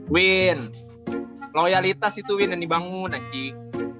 win loyalitas itu win yang dibangun lagi